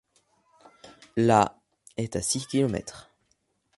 La est à six km.